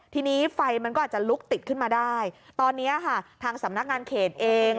ทีนี้ไฟมันก็อาจจะลุกติดขึ้นมาได้ตอนนี้ค่ะทางสำนักงานเขตเอง